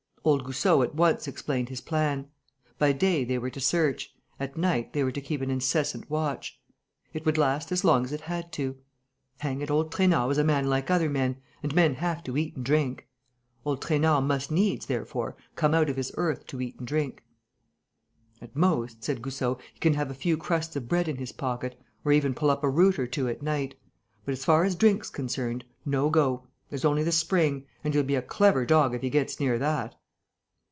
Old Goussot at once explained his plan. By day, they were to search. At night, they were to keep an incessant watch. It would last as long as it had to. Hang it, old Trainard was a man like other men; and men have to eat and drink! Old Trainard must needs, therefore, come out of his earth to eat and drink. "At most," said Goussot, "he can have a few crusts of bread in his pocket, or even pull up a root or two at night. But, as far as drink's concerned, no go. There's only the spring. And he'll be a clever dog if he gets near that."